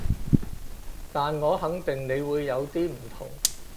但我肯定你會有啲唔同